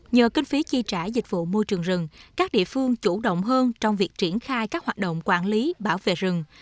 nhờ kinh phí chi trả dịch vụ môi trường rừng các địa phương chủ động hơn trong việc triển khai các hoạt động quản lý bảo vệ rừng